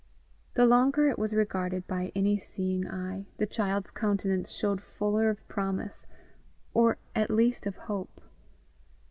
The longer it was regarded by any seeing eye, the child's countenance showed fuller of promise, or at least of hope.